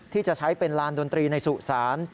ที่จะใช้เป็นลานดนตรีในสุสาน